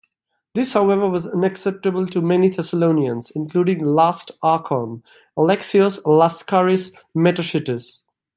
This however was unacceptable to many Thessalonians, including the other "archon", Alexios Laskaris Metochites.